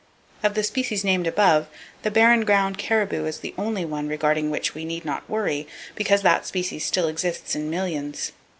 Of the species named above, the barren ground caribou is the only one regarding which we need not worry; because that species still exists in millions.